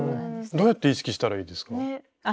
どうやって意識したらいいですか？